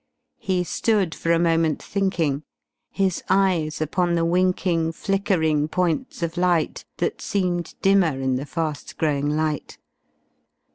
He stood for a moment thinking, his eyes upon the winking, flickering points of light that seemed dimmer in the fast growing light.